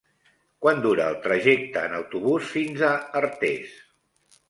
Quant dura el trajecte en autobús fins a Artés?